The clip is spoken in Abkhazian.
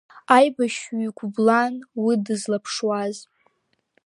Аибашьҩы игәыблан уи дызлаԥшуаз.